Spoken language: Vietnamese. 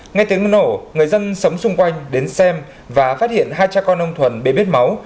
ngay tiếng nổ người dân sống xung quanh đến xem và phát hiện hai cha con ông thuần bê bết máu